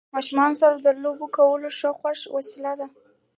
د ماشومانو سره لوبې کول د خوښۍ ښه وسیله ده.